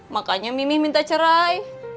makanya mimi minta cerai